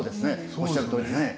おっしゃるとおりね。